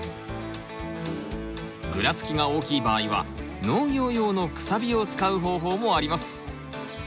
グラつきが大きい場合は農業用のくさびを使う方法もあります。